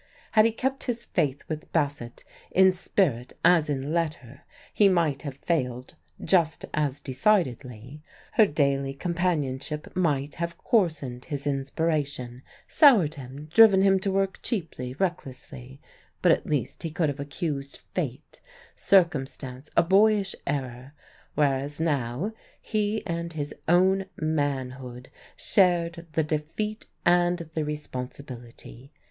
Had he kept his faith with Bassett in spirit as in letter, he might have failed just as decidedly; her daily companionship might have coarsened his inspiration, soured him, driven him to work cheaply, recklessly; but at least he could have accused fate, circumstance, a boyish error, whereas now he and his own manhood shared the defeat and the responsibility.